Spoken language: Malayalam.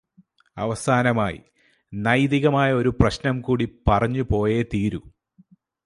അവസാനമായി, നൈതികമായ ഒരു പ്രശ്നം കൂടി പറഞ്ഞു പോയെ തീരൂ.